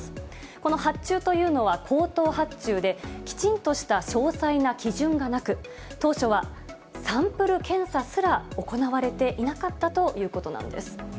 この発注というのは口頭発注で、きちんとした詳細な基準がなく、当初はサンプル検査すら行われていなかったということなんです。